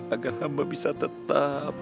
agar hamba bisa tetap